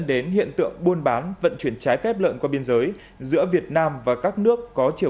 đến hiện tượng buôn bán vận chuyển trái phép lợn qua biên giới giữa việt nam và các nước có chiều